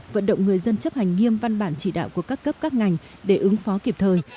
vận động người dân chấp hành nghiêm văn bản chỉ đạo của các cấp các ngành để ứng phó kịp thời